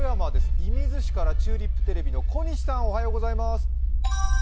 射水市からチューリップテレビの小西さん、お願いします。